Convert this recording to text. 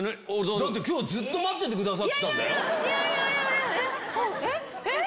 今日ずっと待っててくださってたんだよ。